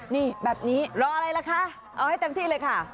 นี่แบบนี้รออะไรล่ะคะเอาให้เต็มที่เลยค่ะ